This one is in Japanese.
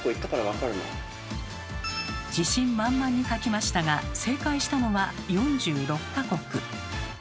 自信満々に書きましたが正解したのは４６か国。